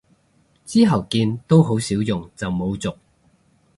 之後見都好少用就冇續